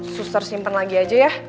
suster simpen lagi aja ya